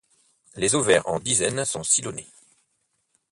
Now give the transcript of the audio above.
Les ovaires en dizaines sont sillonnés.